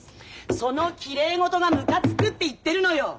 そのきれい事がムカつくって言ってるのよ！